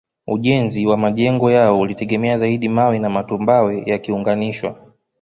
Ujenzi wa majengo yao ulitegemea zaidi mawe na matumbawe yakiunganishwa